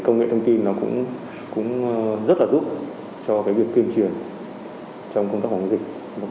công nghệ thông tin cũng rất là giúp cho việc tuyên truyền trong công tác phòng chống dịch